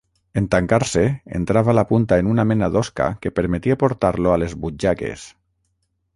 En tancar-se, entrava la punta en una mena d'osca que permetia portar-lo a les butxaques.